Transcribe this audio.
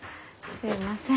すみません。